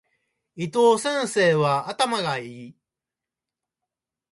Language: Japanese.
伊藤先生は頭が良い。